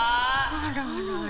あらあら。